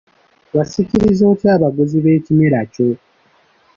Wasikiriza otya abaguzi b’ekirime kyo?